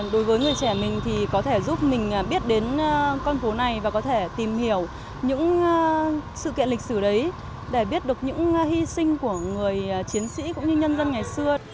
đối với người trẻ mình thì có thể giúp mình biết đến con phố này và có thể tìm hiểu những sự kiện lịch sử đấy để biết được những hy sinh của người chiến sĩ cũng như nhân dân ngày xưa